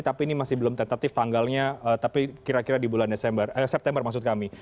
tapi ini masih belum tentatif tanggalnya tapi kira kira di bulan september maksud kami